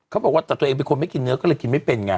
เขาบอกว่าแต่ตัวเองเป็นคนไม่กินเนื้อก็เลยกินไม่เป็นไง